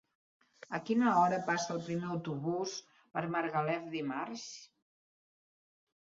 A quina hora passa el primer autobús per Margalef dimarts?